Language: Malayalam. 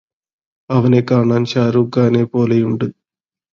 അവനെ കാണാൻ ഷാരൂഖ്ഖാനെ പോലെയുണ്ട്